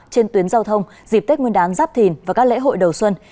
trên tuyến giao thông dịp tết nguyên đán giáp thìn và các lễ hội đầu xuân